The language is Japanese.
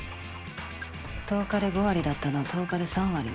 １０日で５割だったのを１０日で３割な。